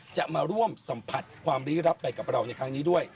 จะมาร่วมสัมผัสความลี้ลับไปกับเราในครั้งนี้ด้วย